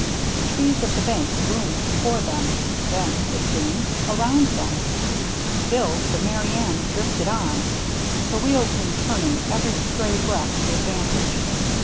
The trees of the bank loomed before them, then, it seemed, around them. Still the Merry Anne drifted on, her wheels man turning every stray breath to advantage.